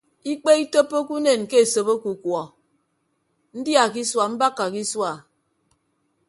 Ikpe itoppoke unen ke esop ọkukuọ ndia ke isua mbakka ke isua.